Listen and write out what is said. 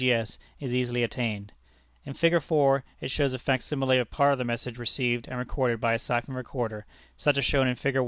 G. S. is easily attained. In Fig. 4 is shown a fac simile of part of a message received and recorded by a Siphon Recorder, such as is shown in Fig.